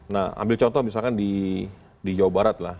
nah ambil contoh misalkan di jawa barat lah